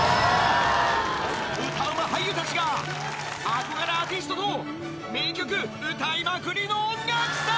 歌うま俳優たちが、憧れアーティストと名曲歌いまくりの音楽祭。